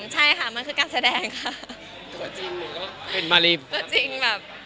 ใช่ค่ะมันคือการแสดงค่ะ